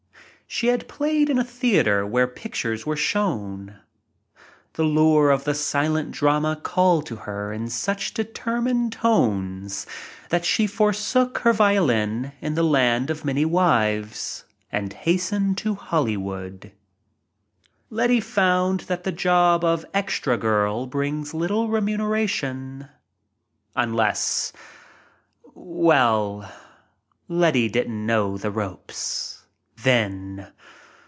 She had played in a theater where pictures were shown. The lure of the . 36 THE GREAT LETTY "—_ silent drama called to her in such determined tones that she forsook her violin in the land of many wives and hastened to Hollywood. Letty found that the job of "extra girl" brings little remuneration — unless — well, Letty didn't know the ropes — then.